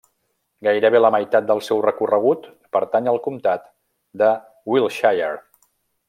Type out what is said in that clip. Gairebé la meitat del seu recorregut pertany al comtat de Wiltshire.